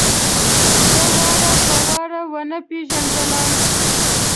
ده وار په وار ونه پېژندلم.